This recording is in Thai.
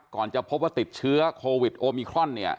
ก่อนจะพบว่าติดเชื้อโควิดโอมิครอน